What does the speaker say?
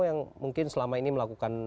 yang mungkin selama ini melakukan